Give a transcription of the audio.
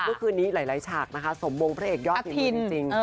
ก็คือนี้หลายฉากนะคะสมบงเพลงแพทย์ยอดฝีมือจริงอธิน